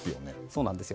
そうなんです。